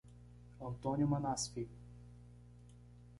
Antônio Manasfi